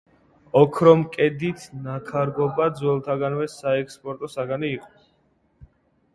ოქრომკედით ნაქარგობა ძველთაგანვე საექსპორტო საგანი იყო.